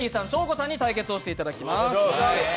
さんに対決をしていただきます。